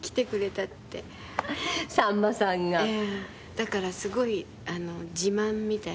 だからすごい自慢みたいで今は。